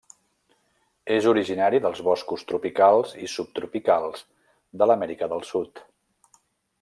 És originari dels boscos tropicals i subtropicals de l'Amèrica del Sud.